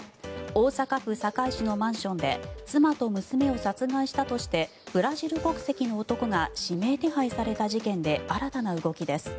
大阪府堺市のマンションで妻と娘を殺害したとしてブラジル国籍の男が指名手配された事件で新たな動きです。